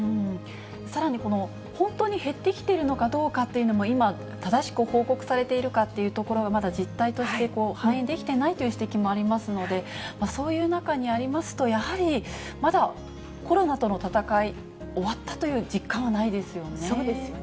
さらにこの、本当に減ってきているのかどうかというのも、今、正しく報告されているかっていうところもまだ実態として反映できてないという指摘もありますので、そういう中にありますと、やはりまだコロナとの闘い、終わったという実感はないですよね。